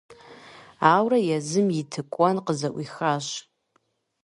Ауэрэ езым и тыкуэн къызэӀуихащ.